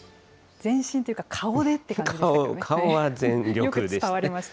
全身というか、顔でって感じ顔は全力でしたね。